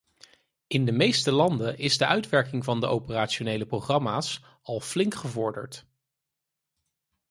In de meeste landen is de uitwerking van de operationele programma's al flink gevorderd.